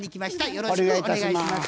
よろしくお願いします。